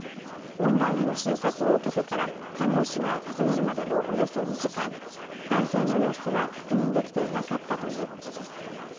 オンラインの診察を受けてから看護師が訪ねるまでのおよそ２時間、男性の様子は確認できていなかったということです。